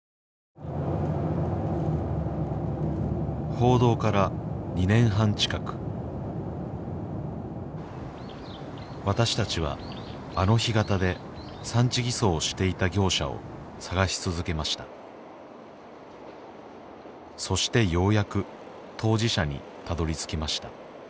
報道から２年半近く私たちはあの干潟で産地偽装をしていた業者を探し続けましたそしてようやく当事者にたどり着きました